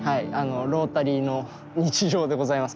ロータリーの日常でございます